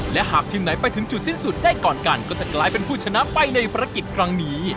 และหากทีมไหนไปถึงจุดสิ้นสุดได้ก่อนกันก็จะกลายเป็นผู้ชนะไปในภารกิจครั้งนี้